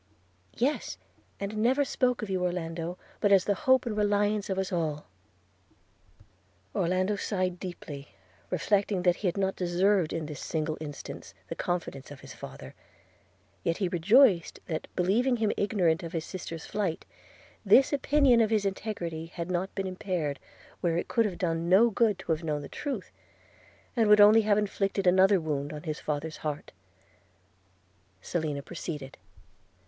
'Yes; and never spoke of you, Orlando, but as the hope and reliance of us all.' Orlando sighed deeply, reflecting that he had not deserved in this single instance the confidence of his father; yet he rejoiced that, believing him ignorant of his sister's flight, this opinion of his integrity had not been impaired where it could have done no good to have known the truth, and would only have inflicted another wound on his father's heart. Selina proceeded.